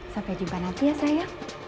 sampai jumpa nanti ya sayang